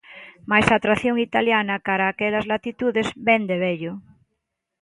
Mais a atracción italiana cara a aquelas latitudes vén de vello.